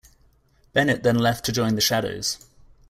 Bennett then left to join the Shadows.